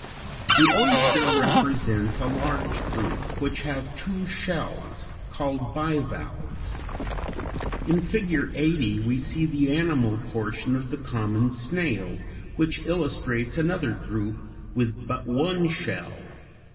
The oyster represents a large group which have two shells, called bivalves. In Figure 80 we see the animal portion of the common snail, which illustrates another group with but one shell.